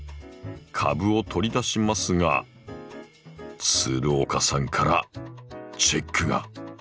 株を取り出しますが岡さんからチェックが！